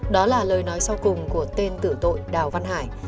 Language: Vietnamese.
đó là lời nói sau cùng của tên tử tội đào văn hải